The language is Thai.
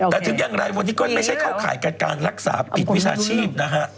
แต่ถือยังไรครัวนี้ก็ไม่ใช่เข้ากายกัดการรักษาผิดวิศาชีพ